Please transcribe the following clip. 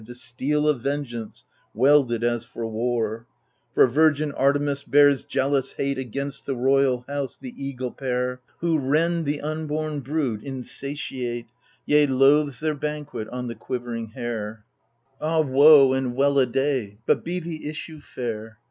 The steel of vengeance, welded as for war I For virgin Artemis bears jealous hate Against the royal house, the eagle pair. AGAMEMNON Who rend the unborn broody insatiate — Yea^ loathes their banquet on the quivering hare, (Ah woe and well a day ! but be the issue fair